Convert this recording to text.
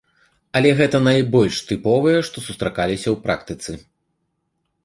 Але гэта найбольш тыповыя, што сустракаліся ў практыцы.